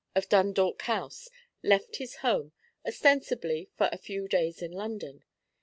of Dundalk House, left his home, ostensibly for a few days in London.